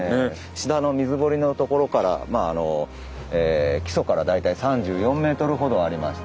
下の水堀のところからまああの基礎から大体３４ｍほどありまして。